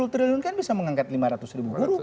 sepuluh triliun kan bisa mengangkat lima ratus ribu guru